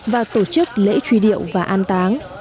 và tổ chức lễ truy điệu và an táng